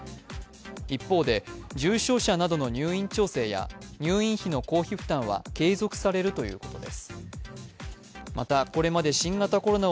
一方で重症者などの入院調整や入院費の公費負担は継続されるということです。